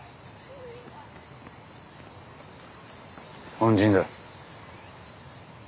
恩人だ。